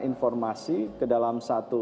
informasi ke dalam satu